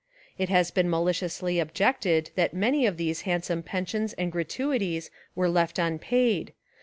It has been maliciously objected that many of these handsome pensions and gratuities were left unpaid.